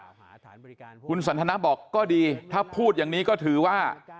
ขอสัมภาษณ์คุณสันทนาบอกก็ดีถ้าพูดอย่างนี้ก็ถือว่า